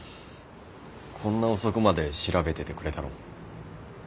こんな遅くまで調べててくれたの？